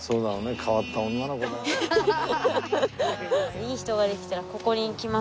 いい人ができたらここに来ます。